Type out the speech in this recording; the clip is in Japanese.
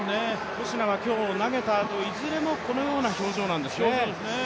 コシナは投げたあといずれもこのような表情なんですね。